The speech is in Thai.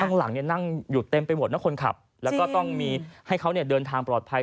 ข้างหลังเนี่ยนั่งอยู่เต็มไปหมดนะคนขับแล้วก็ต้องมีให้เขาเดินทางปลอดภัย